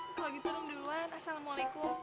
kalau gitu rom duluan assalamualaikum